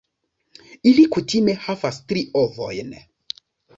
Ili kutime havas tri ovojn.